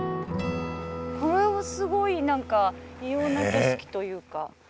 このすごい何か異様な景色というか。